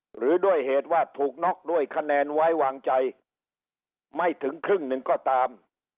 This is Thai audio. หรือด้วยเหตุว่าถูกน็อกด้วยคะแนนไว้วางใจไม่ถึงครึ่งหนึ่งก็ตาม